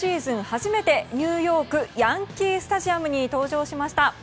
初めてニューヨークヤンキー・スタジアムに登場しました。